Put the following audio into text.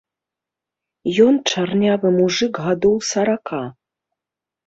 Ён чарнявы мужык гадоў сарака.